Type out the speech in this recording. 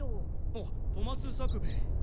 あっ富松作兵衛。